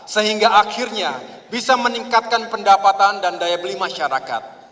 sehingga akhirnya bisa meningkatkan pendapatan dan daya beli masyarakat